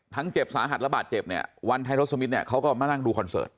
เจ็บสาหัสระบาดเจ็บเนี่ยวันไทยรสมิทเนี่ยเขาก็มานั่งดูคอนเสิร์ต